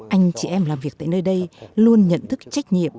anh chị em làm việc tại nơi đây luôn nhận thức trách nhiệm